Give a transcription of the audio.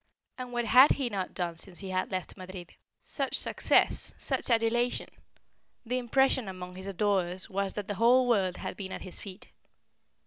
And what had he not done since he had left Madrid? Such success such adulation! The impression among his adorers was that the whole world had been at his feet.